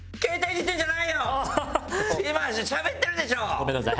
ごめんなさい。